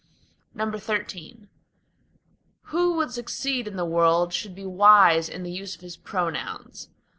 XIII Who would succeed in the world should be wise in the use of his pronouns.